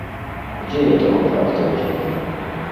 Дзе я таго факта вазьму!